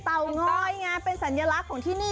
เตางอยไงเป็นสัญลักษณ์ของที่นี่